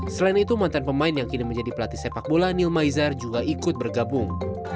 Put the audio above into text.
selain itu mantan pemain yang kini menjadi pelatih sepak bola nil maizar juga ikut bergabung